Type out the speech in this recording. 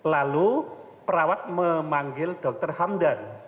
lalu perawat memanggil dr hamdan